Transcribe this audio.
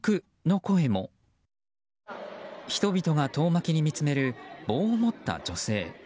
人々が遠巻きに見つめる棒を持った女性。